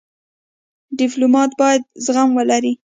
ډيپلومات باید زغم ولري.